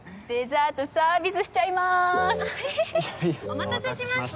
お待たせしました。